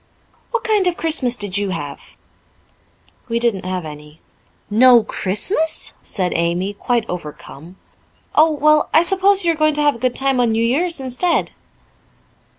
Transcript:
"What kind of a Christmas did you have?" "We didn't have any." "No Christmas!" said Amy, quite overcome. "Oh, well, I suppose you are going to have a good time on New Year's instead."